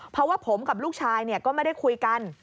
เพราะว่าผมกับลูกชายก็ไม่ได้คุยกัน